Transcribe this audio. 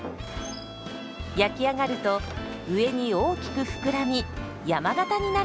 焼き上がると上に大きく膨らみ山型になるんです。